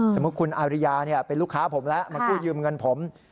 สมมุติคุณอาริยาเป็นลูกค้าผมแล้วมากู้ยืมเงินผม